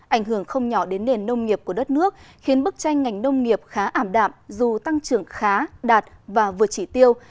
ảnh hưởng không nhỏ đến nền nông nghiệp của đất nước khiến bức tranh ngành nông nghiệp khá ảm đạm dù tăng trưởng khá đạt và vượt chỉ tiêu